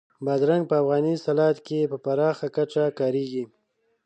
بادرنګ په افغاني سالاد کې په پراخه کچه کارېږي.